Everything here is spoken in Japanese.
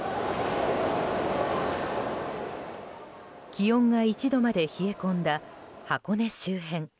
気温が１度まで冷え込んだ箱根周辺。